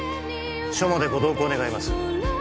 署までご同行願います